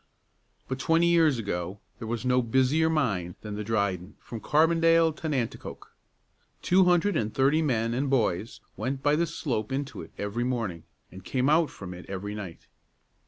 But twenty years ago there was no busier mine than the Dryden from Carbondale to Nanticoke. Two hundred and thirty men and boys went by the slope into it every morning, and came out from it every night.